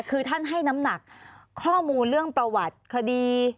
คือท่านให้น้ำหนักข้อมูลเรื่องประวัติคดี